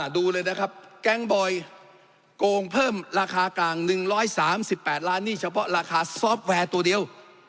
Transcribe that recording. ดูเลยนะครับแก๊งบอยโกงเพิ่มราคากลาง๑๓๘ล้านนี่เฉพาะราคาซอฟต์แวร์ตัวเดียว